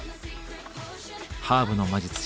ハーブの魔術師